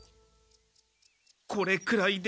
これくらいで。